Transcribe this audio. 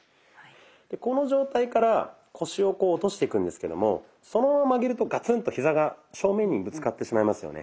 この状態から腰をこう落としていくんですけどもそのまま曲げるとガツンとヒザが正面にぶつかってしまいますよね。